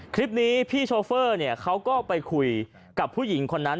คลิปนี้พี่โชเฟอร์เขาก็ไปคุยกับผู้หญิงคนนั้น